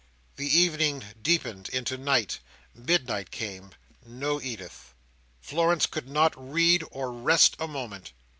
The evening deepened into night; midnight came; no Edith. Florence could not read, or rest a moment.